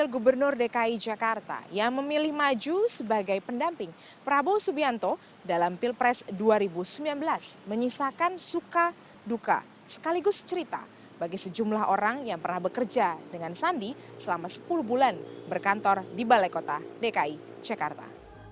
gubernur dki jakarta yang memilih maju sebagai pendamping prabowo subianto dalam pilpres dua ribu sembilan belas menyisakan suka duka sekaligus cerita bagi sejumlah orang yang pernah bekerja dengan sandi selama sepuluh bulan berkantor di balai kota dki jakarta